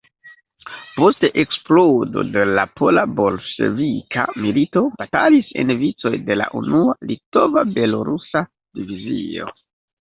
Post eksplodo de la pola-bolŝevika milito batalis en vicoj de la unua Litova-Belorusa Divizio.